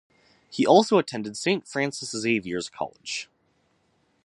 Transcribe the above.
He also attended Saint Francis Xavier's College.